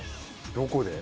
どこで？